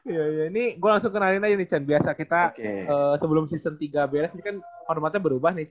ini gue langsung kenalin aja nih c biasa kita sebelum season tiga beres ini kan hormatnya berubah nih c